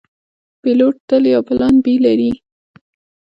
پیلوټ تل یو پلان “B” لري.